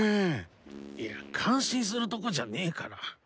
いや感心するとこじゃねえから。